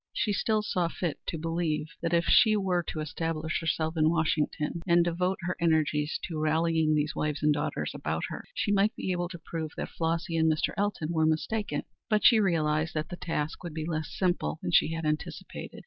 She still saw fit to believe that if she were to establish herself in Washington and devote her energies to rallying these wives and daughters about her, she might be able to prove that Flossy and Mr. Elton were mistaken. But she realized that the task would be less simple than she had anticipated.